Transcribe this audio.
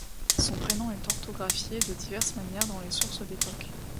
Son prénom est orthographié de diverses manières dans les sources d'époque.